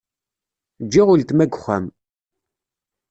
Ǧgiɣ uletma deg uxxam.